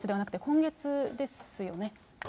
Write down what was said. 今月ですね。